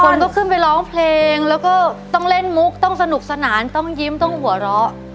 คนก็ขึ้นไปร้องเพลงแล้วก็ต้องเล่นมุกต้องสนุกสนานต้องยิ้มต้องหัวเราะ